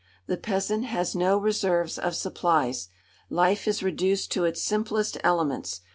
The peasant has no reserves of supplies. Life is reduced to its simplest elements.